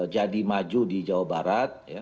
jadi maju di jawa barat